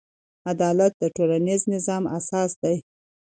عدالت د ټولنیز نظم اساس دی.